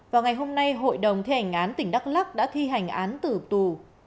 vào ngày hôm nay hội đồng thi hành án tỉnh đắk lắc đã thi hành án tử tù